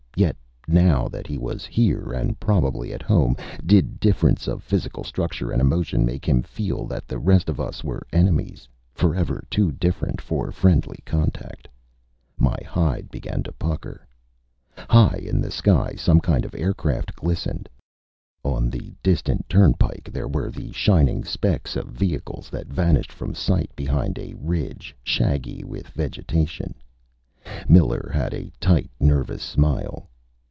Yet, now that he was here and probably at home, did difference of physical structure and emotion make him feel that the rest of us were enemies, forever too different for friendly contact? My hide began to pucker. High in the sky, some kind of aircraft glistened. On the distant turnpike there were the shining specks of vehicles that vanished from sight behind a ridge shaggy with vegetation. Miller had a tight, nervous smile.